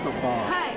はい。